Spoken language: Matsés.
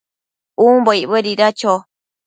umbo icbuedida cho?